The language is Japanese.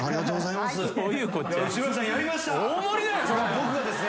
僕がですね。